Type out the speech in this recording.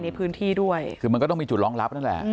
ในพื้นที่ด้วยคือมันก็ต้องมีจุดรองรับนั่นแหละ